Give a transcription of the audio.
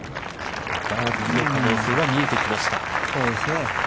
バーディーの可能性は見えてきました。